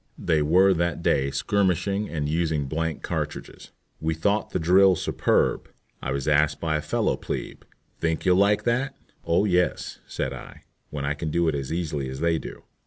They were that day skirmishing and using blank cartridges. We thought the drill superb. I was asked by a fellow "plebe," "Think you'll like that?" "Oh yes," said I, "when I can do it as easily as they do."